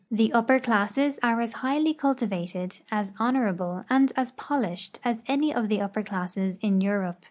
The upper classes are as highly cultivated, as honorable, and as polished as any of the upper classes in Europe.